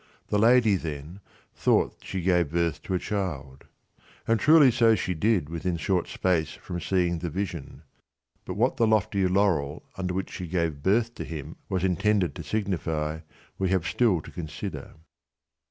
The lady, then, thought she gave birth to a child ; and truly so she did within short space from seeing the vision. But what the lofty laurel under which she gave birth to him was intended to signify we have still to consider.